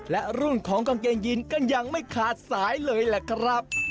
และรุ่นของกางเกงยีนก็ยังไม่ขาดสายเลยแหละครับ